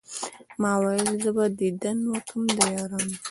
ما ول زه به ديدن وکم د يارانو